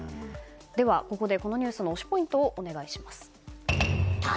では、ここでこのニュースの推しポイントをお願いします。